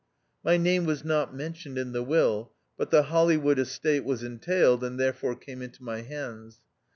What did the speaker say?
My name was not mentioned in the will ; but the Hollywood estate was entailed, and therefore came into my hands.